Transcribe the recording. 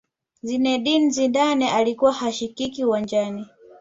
zinedine zidane alikuwa hashikiki uwanjani